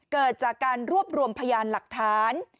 เกิดจากการรวบรวมพยานหลักฐาน